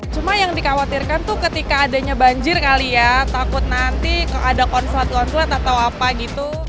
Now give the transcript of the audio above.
cuma yang dikhawatirkan tuh ketika adanya banjir kali ya takut nanti ada konsulat konsulat atau apa gitu